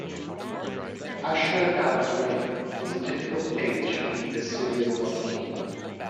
Ashur-dan's reign was a difficult age for the Assyrian monarchy.